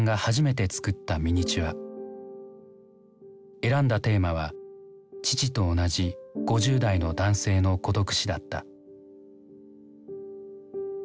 選んだテーマは父と同じ５０代の男性の孤独死だった。